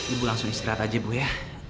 ibu langsung istirahat aja ya ibu ya